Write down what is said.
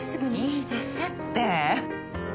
いいですって！